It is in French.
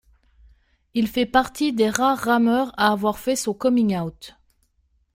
Il fait partie des rares rameurs à avoir fait son coming-out.